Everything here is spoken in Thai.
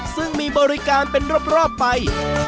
ซึ่งมีบริการเป็นรอบไป